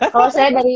kalau saya dari